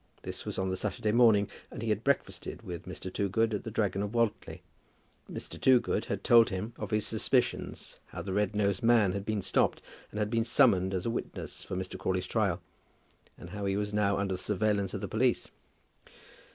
This was on the Saturday morning, and he had breakfasted with Mr. Toogood at "The Dragon of Wantly." Mr. Toogood had told him of his suspicions, how the red nosed man had been stopped, and had been summoned as a witness for Mr. Crawley's trial, and how he was now under the surveillance of the police.